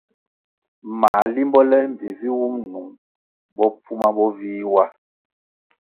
Mā limbo le mbpi vi wum nung bopfuma bo vih wa.